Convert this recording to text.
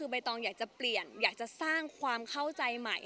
ใบตองอยากจะเปลี่ยนอยากจะสร้างความเข้าใจใหม่